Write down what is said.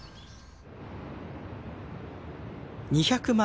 ２００万